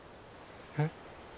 えっ？